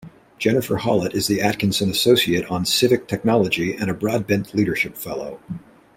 Jennifer Hollett is the Atkinson Associate on Civic Technology and a Broadbent Leadership Fellow.